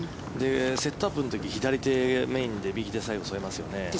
セットアップの時は左メインで右、押さえますよね。